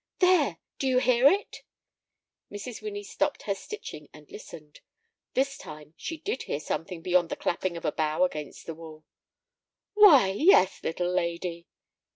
"There, do you hear it?" Mrs. Winnie stopped her stitching and listened. This time she did hear something beyond the clapping of a bough against the wall. "Why, yes, little lady."